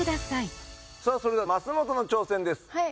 さぁそれでは増本の挑戦です。